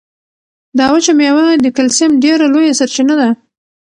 دا وچه مېوه د کلسیم ډېره لویه سرچینه ده.